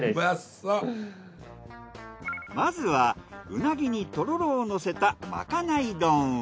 まずはうなぎにとろろを乗せたまかない丼を。